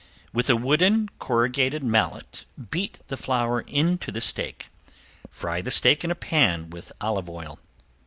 With a wooden corrugated mallet beat the flour into the steak. Fry the steak in a pan with olive oil.